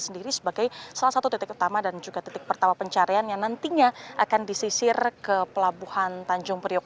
sendiri sebagai salah satu titik utama dan juga titik pertama pencarian yang nantinya akan disisir ke pelabuhan tanjung priok